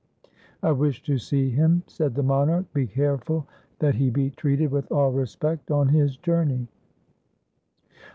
' I wish to see him,' said the monarch, ' be careful that he be treated with all respect on his journey.'